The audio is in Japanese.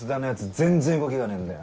全然動きがねえんだよ。